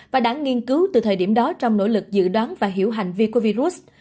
và đã nghiên cứu từ thời điểm đó trong nỗ lực dự đoán và hiểu hành vi của virus